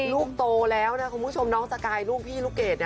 ลูกโตแล้วนะคุณผู้ชมน้องสกายลูกพี่ลูกเกด